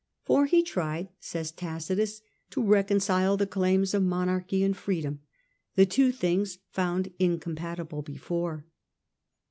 For he tried, says Tacitus, to reconcile the claims of monarchy and freedom — the two things found incompatible before.